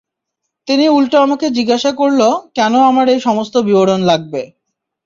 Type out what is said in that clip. তিনি উল্টো আমাকে জিজ্ঞাসা করল কেন আমার এই সমস্ত বিবরণ লাগবে।